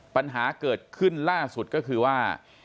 ปัญหาเกิดขึ้นล่าสุดก็คือว่า